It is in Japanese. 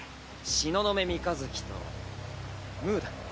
東雲三日月とムーだ。